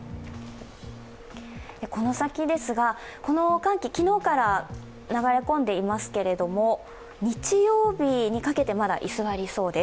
この先ですが、この寒気、昨日から流れ込んでいますけれども、日曜日にかけて、まだ居座りそうです。